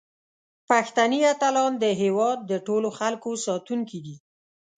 پښتني اتلان د هیواد د ټولو خلکو ساتونکي دي.